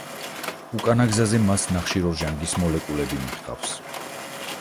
უკანა გზაზე მას ნახშიროჟანგის მოლეკულები მიჰყავს.